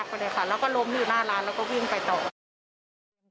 ไปเลยค่ะแล้วก็ล้มอยู่หน้าร้านแล้วก็วิ่งไปต่อ